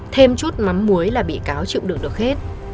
thêm chút mắm muối là bị cáo chịu được được hết